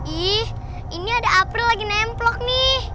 ih ini ada april lagi nemplok nih